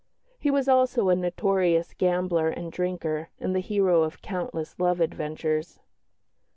He was also a notorious gambler and drinker and the hero of countless love adventures.